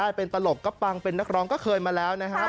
ได้เป็นตลกก็ปังเป็นนักร้องก็เคยมาแล้วนะครับ